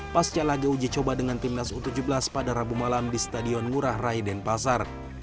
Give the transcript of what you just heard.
pas calaga uji coba dengan timnas u tujuh belas pada rabu malam di stadion ngurah raiden pasar